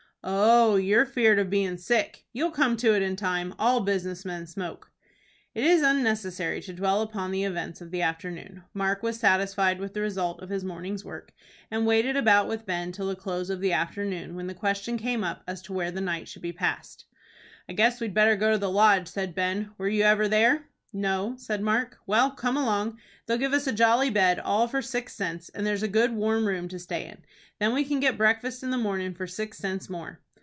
"Oh, you're feared of being sick. You'll come to it in time. All business men smoke." It is unnecessary to dwell upon the events of the afternoon. Mark was satisfied with the result of his morning's work, and waited about with Ben till the close of the afternoon, when the question came up, as to where the night should be passed. "I guess we'd better go to the Lodge," said Ben. "Were you ever there?" "No," said Mark. "Well, come along. They'll give us a jolly bed, all for six cents, and there's a good, warm room to stay in. Then we can get breakfast in the mornin' for six cents more."